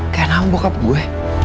kenapa bokap gue